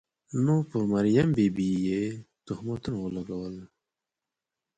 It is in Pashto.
نو پر مریم بي بي یې تهمتونه ولګول.